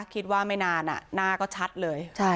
คิดว่าไม่นานหน้าก็ชัดเลย